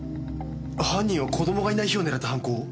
犯人は子供がいない日を狙って犯行を？